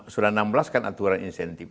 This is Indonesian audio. sudah enam belas kan aturan insentif